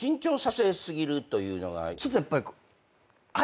ちょっとやっぱり。